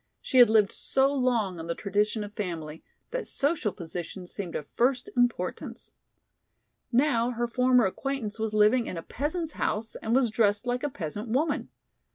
She had lived so long on the tradition of family that social position seemed of first importance. Now her former acquaintance was living in a peasant's house and was dressed like a peasant woman.